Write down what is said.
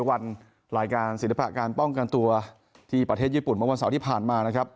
วันรายการศิลปะการป้องกันตัวที่ประเทศญี่ปุ่นเมื่อวันเสาร์ที่ผ่านมานะครับ